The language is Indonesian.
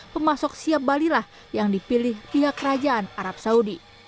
pemasok siap balilah yang dipilih pihak kerajaan arab saudi